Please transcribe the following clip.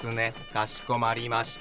かしこまりました。